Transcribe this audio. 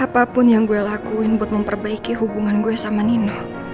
apapun yang gue lakuin buat memperbaiki hubungan gue sama nina